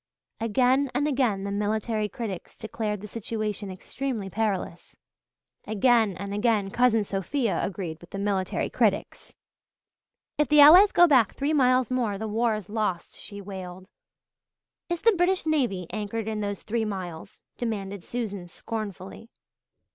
Again and again the military critics declared the situation extremely perilous. Again and again Cousin Sophia agreed with the military critics. "If the Allies go back three miles more the war is lost," she wailed. "Is the British navy anchored in those three miles?" demanded Susan scornfully.